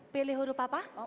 pilih huruf apa